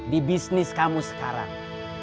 di bisnis kamu sekarang